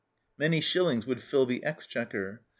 Many shillings would fill the exchequer.